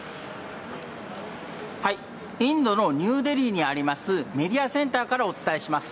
インドのニューデリーにあります、メディアセンターからお伝えします。